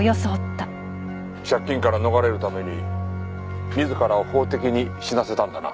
借金から逃れるために自らを法的に死なせたんだな。